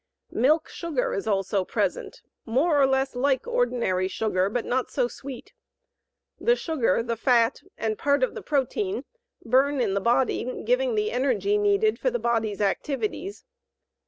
Milk sugar is also present, more or less like ordinary sugar, but not so sweet. The sugar, the fat, and part of the protein burn in the body, giving the energy needed for the body's activities.